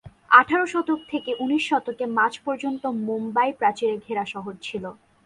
আঠারো শতক থেকে উনিশ শতকে মাঝ পর্যন্ত মুম্বাই প্রাচীরে ঘেরা শহর ছিল।